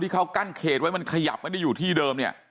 เขากั้นเขตไว้มันขยับไม่ได้อยู่ที่เดิมเนี่ย